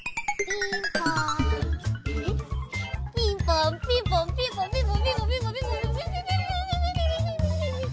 ピンポンピンポンピンポンピンポンピピピピピピ！